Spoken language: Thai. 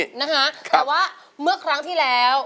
แต่ว่าเมื่อครั้งที่แล้ว